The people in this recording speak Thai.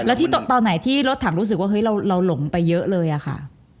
แล้วที่ตอนไหนที่รถถังรู้สึกว่าเฮ้ยเราหลงไปเยอะเลยอะค่ะ